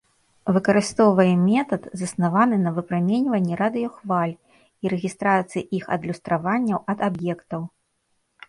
Выкарыстоўвае метад, заснаваны на выпраменьванні радыёхваль і рэгістрацыі іх адлюстраванняў ад аб'ектаў.